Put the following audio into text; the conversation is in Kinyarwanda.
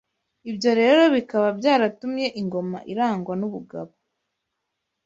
Ibyo rero bikaba byaratumye Ingoma irangwa n’ubugabo